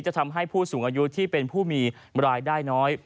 ทำให้ผู้สูงอายุที่เป็นผู้มีรายได้น้อย